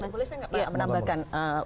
boleh saya nge menambahkan